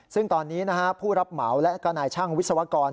ซึ่งตอนนี้ผู้รับเหมาและก็นายช่างวิศวกร